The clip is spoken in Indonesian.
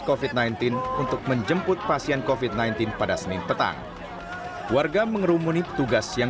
covid sembilan belas untuk menjemput pasien kofit sembilan belas pada senin petang warga mengerumuni petugas yang